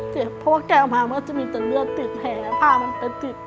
เพราะว่าแกออกมามันก็จะมีแต่เลือดติดแหผ้ามันไปติด